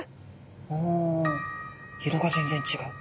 お色が全然違う。